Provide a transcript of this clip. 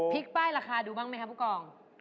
ป้ายราคาดูบ้างไหมครับผู้กอง